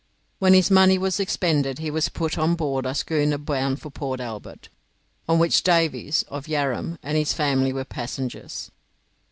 When his money was expended he was put on board a schooner bound for Port Albert, on which Davis (of Yarram) and his family were passengers.